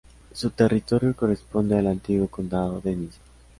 Su territorio corresponde al antiguo condado de Niza.